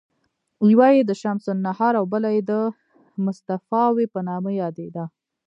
یوه یې د شمس النهار او بله د مصطفاوي په نامه یادېده.